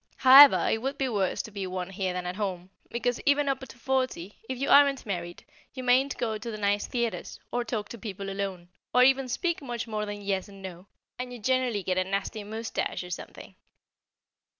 However, it would be worse to be one here than at home, because even up to forty, if you aren't married, you mayn't go to the nice theatres, or talk to people alone, or even speak much more than "Yes" and "No," and you generally get a nasty moustache or something.